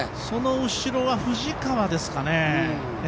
その後ろは藤川ですかね。